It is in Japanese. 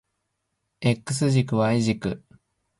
X 軸 Y 軸